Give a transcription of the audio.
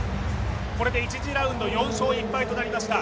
これで１次ラウンド、４勝１敗となりました。